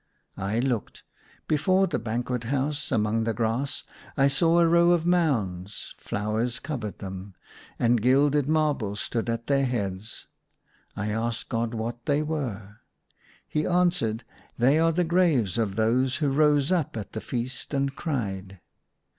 I looked : before the banquet house, among the grass, I saw a row of mounds, flowers covered them, and gilded marble stood at their heads. I asked God what they were. He answered, "They are the graves of those who rose up at the feast and cried."